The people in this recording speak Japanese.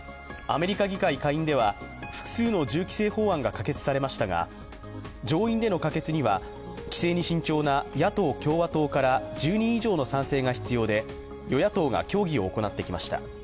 アメリカ議会下院では複数の銃規制法案が可決されましたが上院での可決には規制に慎重な野党・共和党から１０人以上の賛成が必要で、与野党が協議を行ってきました。